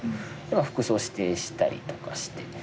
服装を指定したりとかして。